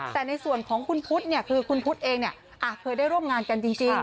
แต่ในส่วนของคุณพุทธเนี่ยคือคุณพุทธเองเคยได้ร่วมงานกันจริง